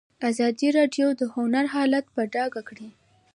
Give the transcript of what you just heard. ازادي راډیو د هنر حالت په ډاګه کړی.